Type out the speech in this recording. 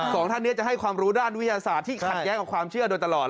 สองท่านนี้จะให้ความรู้ด้านวิทยาศาสตร์ที่ขัดแย้งกับความเชื่อโดยตลอด